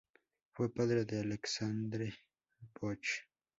Fue padre de Alexandre Bosch.